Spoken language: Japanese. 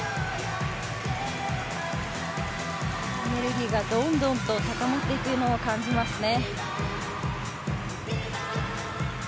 エネルギーがどんどん高まっていくのを感じますね。